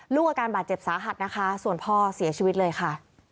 อาการบาดเจ็บสาหัสนะคะส่วนพ่อเสียชีวิตเลยค่ะ